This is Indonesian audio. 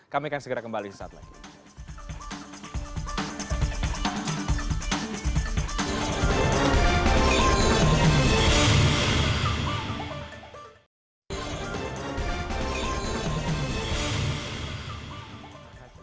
kami akan segera kembali saat lagi